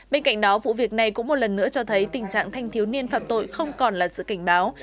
bên cạnh đó vụ việc này cũng một lần nữa cho thấy tình trạng thanh thiếu niên phạm tội không còn là sự cảnh báo